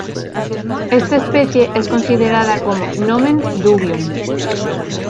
Esta especie es considerada como "nomen dubium".